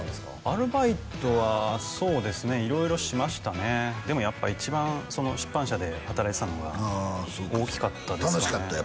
アルバイトはそうですね色々しましたねでもやっぱ一番出版社で働いてたのが大きかったですね楽しかった？